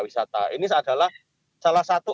wisata ini adalah salah satu